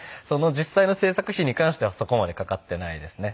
実際の制作費に関してはそこまでかかってないですね。